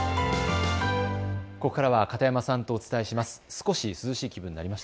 ここからは片山さんとお伝えします。